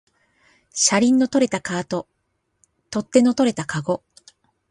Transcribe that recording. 車輪の取れたカート、取っ手の取れたかご